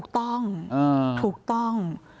ถูกต้อง